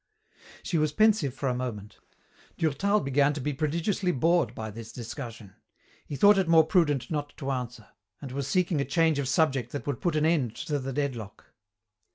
She was pensive for a moment. Durtal began to be prodigiously bored by this discussion. He thought it more prudent not to answer, and was seeking a change of subject that would put an end to the deadlock.